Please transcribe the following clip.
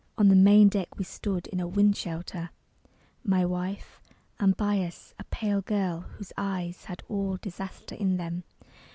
On the main deck we stood, in a wind shelter, My wife, and by us a pale girl whose eyes Had all disaster in them.